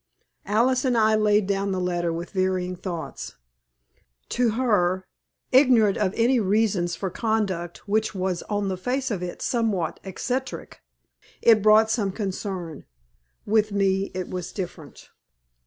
Alice and I laid down the letter with varying thoughts. To her, ignorant of any reasons for conduct which was on the face of it somewhat eccentric, it brought some concern. With me it was different.